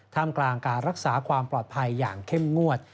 มกลางการรักษาความปลอดภัยอย่างเข้มงวด